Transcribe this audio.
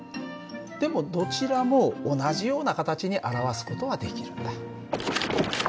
でもどちらも同じような形に表す事はできるんだ。